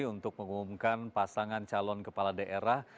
untuk mengumumkan pasangan calon kepala daerah